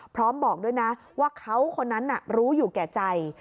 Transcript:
บอกด้วยนะว่าเขาคนนั้นรู้อยู่แก่ใจ